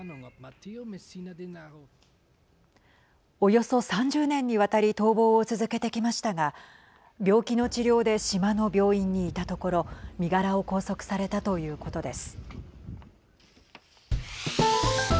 およそ３０年にわたり逃亡を続けてきましたが病気の治療で島の病院にいたところ身柄を拘束されたということです。